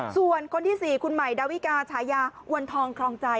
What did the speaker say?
ส่วนคนที่๔คุณใหม่ดาวิกาฉายาวันทองครองใจ